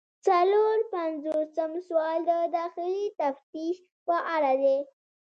څلور پنځوسم سوال د داخلي تفتیش په اړه دی.